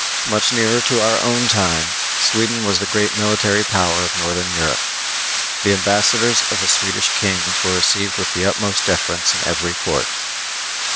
Much nearer to our own time, Sweden was the great military power of northern Europe. The ambassadors of the Swedish kings were received with the utmost deference in every court.